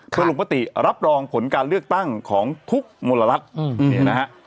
เพื่อลงมติรับรองผลการเลือกตั้งของทุกมลรัฐเนี่ยนะฮะ